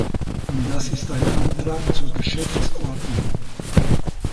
Das ist ein Antrag zur Geschäftsordnung.